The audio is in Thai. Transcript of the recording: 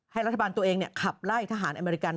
ให้รัฐบาลตัวเองขับไล่ทหารอิรักษ์